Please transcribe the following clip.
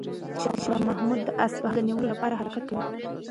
شاه محمود د اصفهان د نیولو لپاره حرکت کوي.